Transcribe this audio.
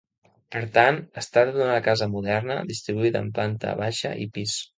Per tant, es tracta d'una casa moderna, distribuïda en planta baixa i pis.